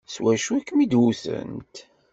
S wacu i kem-id-wtent?